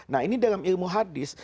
nah ini dalam ilmu hadis